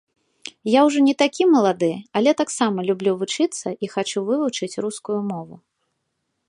Я ўжо не такі малады, але таксама люблю вучыцца і хачу вывучыць рускую мову.